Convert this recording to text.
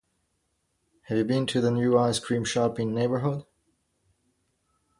Have you been to the new ice cream shop in neighborhood?